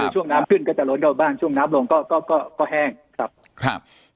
ช่วงน้ำขึ้นก็จะล้นเข้าบ้านช่วงน้ำลงก็ก็แห้งครับครับ